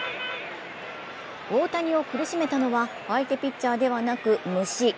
大谷を苦しめたのは、相手ピッチャーではなく虫。